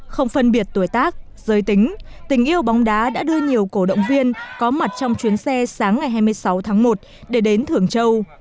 không phân biệt tuổi tác giới tính tình yêu bóng đá đã đưa nhiều cổ động viên có mặt trong chuyến xe sáng ngày hai mươi sáu tháng một để đến thưởng châu